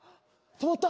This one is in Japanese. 止まった！